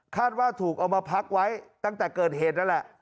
ว่าถูกเอามาพักไว้ตั้งแต่เกิดเหตุนั่นแหละ